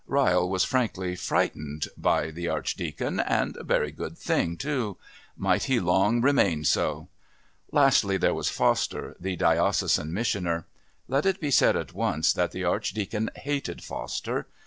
Ryle was frankly frightened by the Archdeacon, and a very good thing too! Might he long remain so! Lastly there was Foster, the Diocesan Missioner. Let it be said at once that the Archdeacon hated Foster.